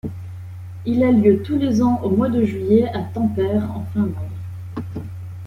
Il a lieu tous les ans au mois de juillet à Tampere, en Finlande.